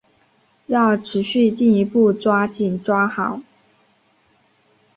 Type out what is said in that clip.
要持续进一步抓紧抓好